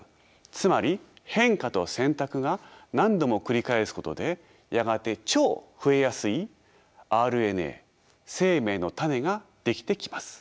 つまり変化と選択が何度も繰り返すことでやがて超増えやすいＲＮＡ生命の種が出来てきます。